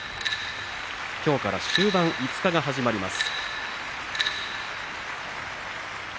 きょうから終盤の５日が始まります。